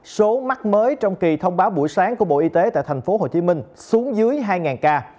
số mắc mới trong kỳ thông báo buổi sáng của bộ y tế tại thành phố hồ chí minh xuống dưới hai ca